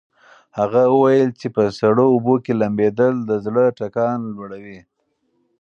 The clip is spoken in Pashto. هغه وویل چې په سړو اوبو کې لامبېدل د زړه ټکان لوړوي.